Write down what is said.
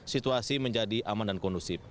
situasi menjadi aman dan kondusif